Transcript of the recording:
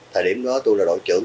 thời điểm đó tôi là đội trưởng